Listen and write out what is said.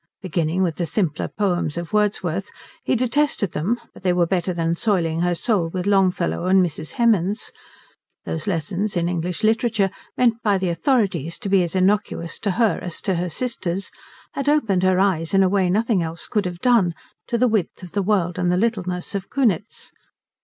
Beginning with the simpler poems of Wordsworth he detested them, but they were better than soiling her soul with Longfellow and Mrs. Hemans those lessons in English literature, meant by the authorities to be as innocuous to her as to her sisters, had opened her eyes in a way nothing else could have done to the width of the world and the littleness of Kunitz.